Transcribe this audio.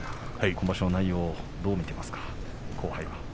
今場所の内容どう見てますか。